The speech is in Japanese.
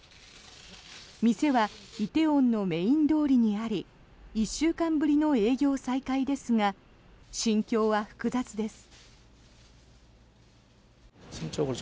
店は梨泰院のメイン通りにあり１週間ぶりの営業再開ですが心境は複雑です。